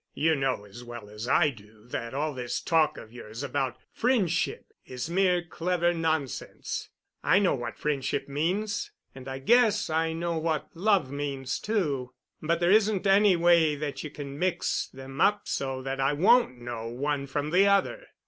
You know as well as I do that all this talk of yours about friendship is mere clever nonsense. I know what friendship means, and I guess I know what love means, too, but there isn't any way that you can mix them up so that I won't know one from the other."